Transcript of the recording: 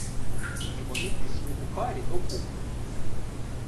І вони пішли у парі до кухні.